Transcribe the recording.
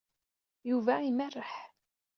Yuba imerreḥ.